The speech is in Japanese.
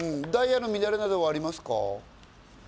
ダイヤの乱れなどはありますか？